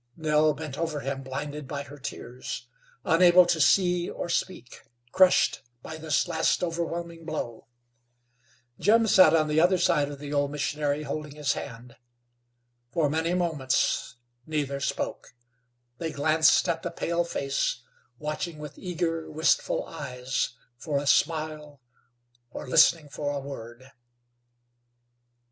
Nell bent over him blinded by her tears, unable to see or speak, crushed by this last overwhelming blow. Jim sat on the other side of the old missionary, holding his hand. For many moments neither spoke. They glanced at the pale face, watching with eager, wistful eyes for a smile, or listening for a word.